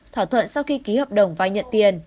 thỏa thuận sau khi ký hợp đồng vai nhận tiền